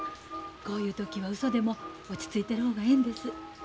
こういう時はうそでも落ち着いてる方がええんです。